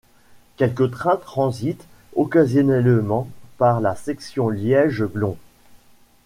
Quelques trains transitent occasionnellement par la section Liège - Glons.